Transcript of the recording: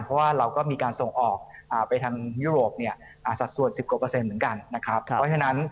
เพราะเรามีการส่งออกใหโยโรปทัศน์สัดส่วน๑๙เพราะฉะนั้น